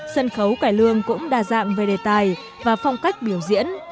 sân khấu cải lương cũng đa dạng về đề tài và phong cách biểu diễn